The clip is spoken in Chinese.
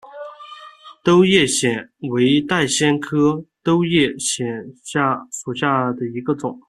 兜叶藓为带藓科兜叶藓属下的一个种。